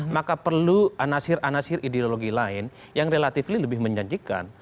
maka perlu anasir anasir ideologi lain yang relatif lebih menjanjikan